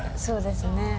そうですね。